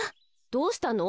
どうしたの？